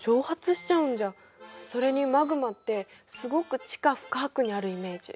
それにマグマってすごく地下深くにあるイメージ。